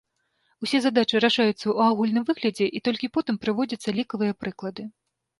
Усе задачы рашаюцца ў агульным выглядзе, і толькі потым прыводзяцца лікавыя прыклады.